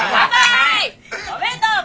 おめでとう！